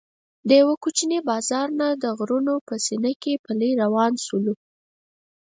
د یوه کوچني بازار نه د غرونو په سینه کې پلی روان شولو.